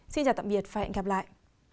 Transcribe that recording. xin chào tạm biệt và hẹn gặp lại